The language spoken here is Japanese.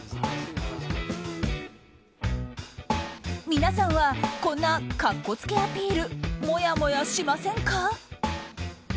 皆さんはこんな格好つけアピールもやもやしませんか？